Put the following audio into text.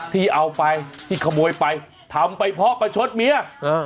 ที่เอาไปที่ขโมยไปทำไปเพราะประชดเมียเออ